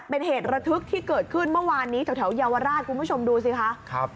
เป็นเหตุระทึกที่เกิดขึ้นเมื่อวานนี้แถวเยาวราชคุณผู้ชมดูสิคะ